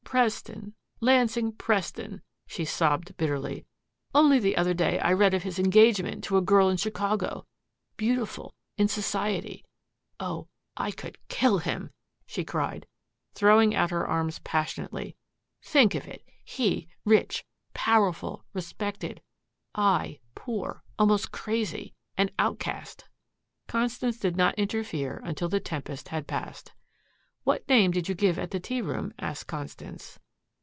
"Preston Lansing Preston," she sobbed bitterly. "Only the other day I read of his engagement to a girl in Chicago beautiful, in society. Oh I could KILL him," she cried, throwing out her arms passionately. "Think of it. He rich, powerful, respected. I poor, almost crazy an outcast." Constance did not interfere until the tempest had passed. "What name did you give at the tea room?" asked Constance.